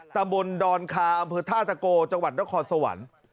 ตำบลดอนคาอำเภอท่าตะโกจังหวัดนครสวรรค์